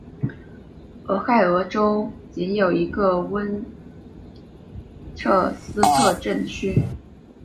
俄亥俄州仅有这一个温彻斯特镇区。